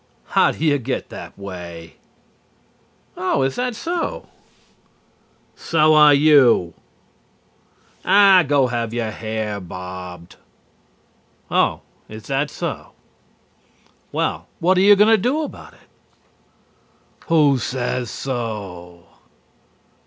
"How do you get that way?" "Oh, is that so?" "So are you." "Aw, go have your hair bobbed." "Oh, is that so?" "Well, what are you going to do about it?" "Who says so?"